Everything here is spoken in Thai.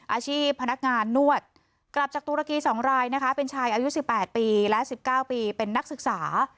อาชีพพนักงานนวดกลับจากตุรกี๒รายนะคะเป็นชายอายุ๑๘ปีและ๑๙ปีเป็นนักศึกษา